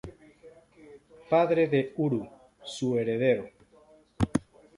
Padre de Uru, su heredero.